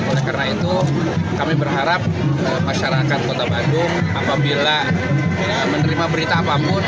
oleh karena itu kami berharap masyarakat kota bandung apabila menerima berita apapun